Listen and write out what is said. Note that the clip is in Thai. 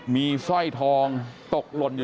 มีสร้อยทองตกหล่นอยู่